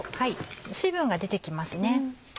水分が出てきますね。